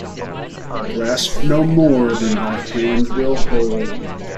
Grasp no more than thy hand will hold.